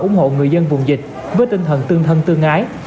ủng hộ người dân vùng dịch với tinh thần tương thân tương ái